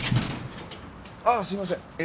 ああすいません。